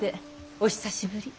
お久しぶり。